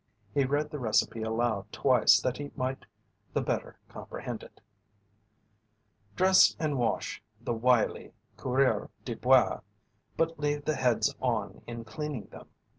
He read the recipe aloud twice that he might the better comprehend it: "Dress and wash the wily coureur de bois, but leave the heads on in cleaning them.